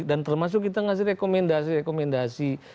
dan termasuk kita ngasih rekomendasi rekomendasi